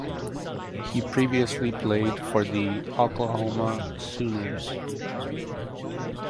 He previously played for the Oklahoma Sooners.